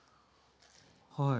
はい。